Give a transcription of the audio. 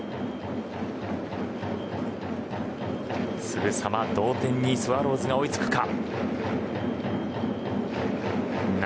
すぐさま同点にスワローズが追いつくか。